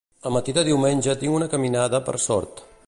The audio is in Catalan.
El matí de diumenge tinc una caminada per Sort.